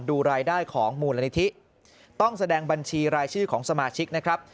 ดูรายได้ของมูลนิธิต้องแสดงบัญชีรายชื่อของสมาชิกนะครับ